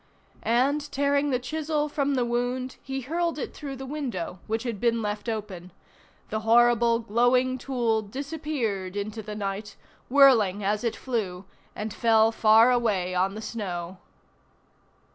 And, tearing the chisel from the wound, he hurled it through the window, which had been left open; the horrible, glowing tool disappeared into the night, whirling as it flew, and fell far away on the snow.